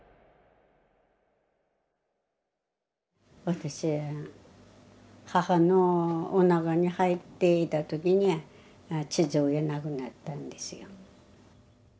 私母のおなかに入っていた時に父親亡くなったんですよ。